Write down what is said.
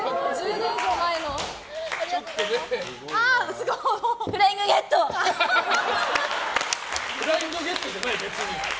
別にフライングゲットじゃない。